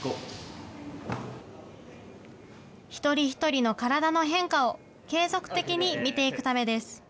一人一人の体の変化を継続的に見ていくためです。